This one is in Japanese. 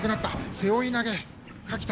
背負い投げ、垣田。